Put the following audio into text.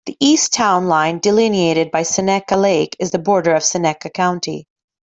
The east town line, delineated by Seneca Lake is the border of Seneca County.